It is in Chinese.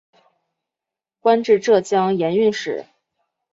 官至浙江盐运使。